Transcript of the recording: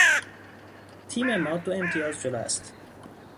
تیم ما دو امتیاز جلو است.